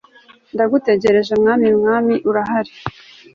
Ndagutegereje Mwami Mwami urahari